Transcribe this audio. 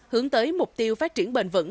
hướng tới mục tiêu phát triển bền vững